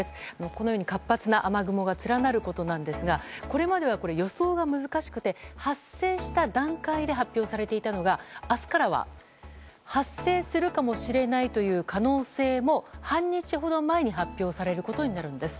このように活発な雨雲が連なることなんですがこれまでは予想が難しくて発生した段階で発表されていたのが、明日からは発生するかもしれないという可能性も、半日ほど前に発表されることになるんです。